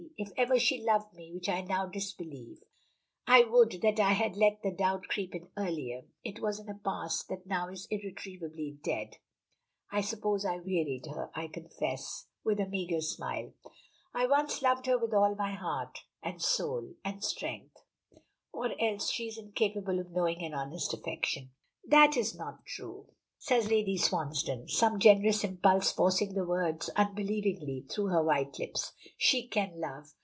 "If ever she loved me, which I now disbelieve (I would that I had let the doubt creep in earlier), it was in a past that now is irretrievably dead. I suppose I wearied her I confess," with a meagre smile, "I once loved her with all my soul, and heart, and strength or else she is incapable of knowing an honest affection." "That is not true," says Lady Swansdown, some generous impulse forcing the words unwillingly through her white lips. "She can love!